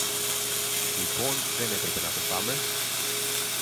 Λοιπόν δεν έπρεπε να το φάμε!